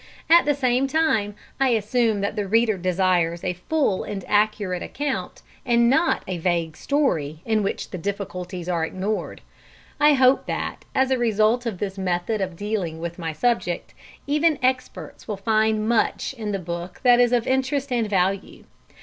At the same time, I assume that the reader desires a full and accurate account, and not a vague story in which the difficulties are ignored. I hope that, as a result of this method of dealing with my subject, even experts will find much in the book that is of interest and value.